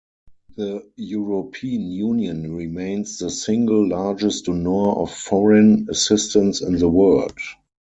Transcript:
The European Union remains the single largest donor of foreign assistance in the world.